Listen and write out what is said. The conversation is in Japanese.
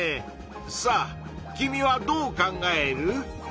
さあ君はどう考える？